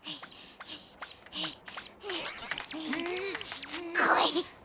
しつこい！